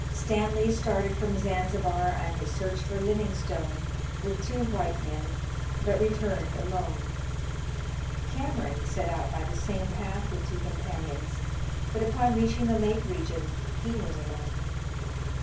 Stanley started from Zanzibar on his search for Living stone with two white men, but returned alone. Cameron set out by the same })ath with two companions, but, upon reaching the lake region, he was alone.